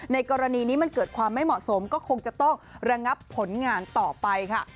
กรณีนี้มันเกิดความไม่เหมาะสมก็คงจะต้องระงับผลงานต่อไปค่ะ